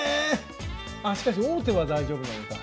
あしかし王手は大丈夫なのか。